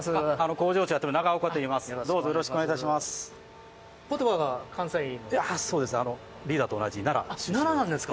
工場長をやっている長岡といいます。